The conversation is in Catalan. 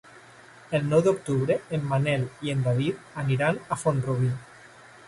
El nou d'octubre en Manel i en David aniran a Font-rubí.